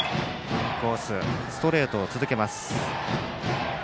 インコースストレートを続けます。